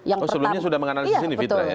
oh sebelumnya sudah menganalisis ini fitra ya